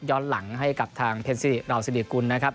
ย้อนหลังให้กับทางเพ็ญสิริราวสิริกุลนะครับ